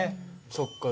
そっか。